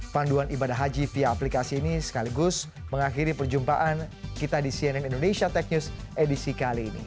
panduan ibadah haji via aplikasi ini sekaligus mengakhiri perjumpaan kita di cnn indonesia tech news edisi kali ini